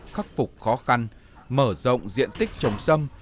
khắc phục khó khăn mở rộng diện tích trồng sâm